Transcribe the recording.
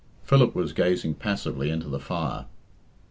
Philip was gazing passively into the fire.